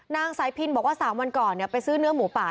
นางสายพินบอกว่า๓วันก่อนไปซื้อเนื้อหมูป่า